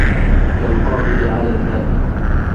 كالقابض على الماء